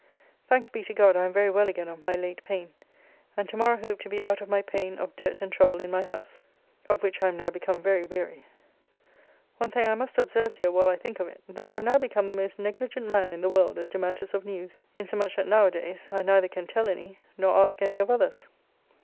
Thanks be to God I am very well again of my late pain, and to morrow hope to be out of my pain of dirt and trouble in my house, of which I am now become very weary. One thing I must observe here while I think of it, that I am now become the most negligent man in the world as to matters of news, insomuch that, now a days, I neither can tell any, nor ask any of others.